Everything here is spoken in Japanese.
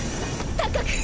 高く！